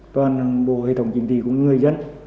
toàn bộ hệ thống chính trị của người dân